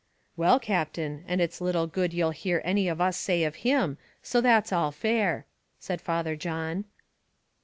"Well, Captain, and it's little good you'll hear any of us say of him, so that's all fair," said Father John.